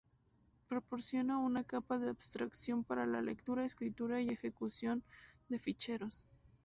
Proporciona una capa de abstracción para la lectura, escritura y ejecución de ficheros.